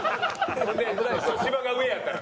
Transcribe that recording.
芝が上やったら。